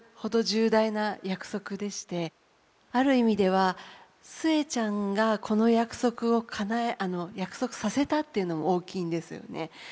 ある意味では寿恵ちゃんがこの約束を約束させたというのも大きいんですよね。